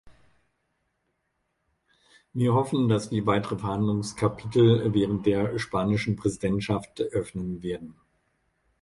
Wir hoffen, dass wir weitere Verhandlungskapitel während der spanischen Präsidentschaft öffnen werden.